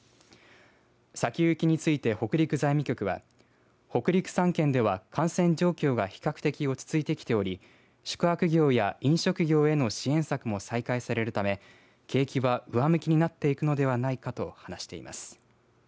先行きについて、北陸財務局は北陸３県では感染状況が比較的落ち着いてきており宿泊業や飲食業への支援策も再開されるため景気は上向きになっていくのではないかと話しています。